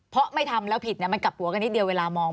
เพราะไม่ทำแล้วผิดมันกลับหัวกันนิดเดียวเวลามอง